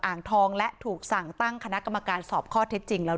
อ่างทองและถูกสั่งตั้งคณะกรรมการสอบข้อเท็จจริงแล้ว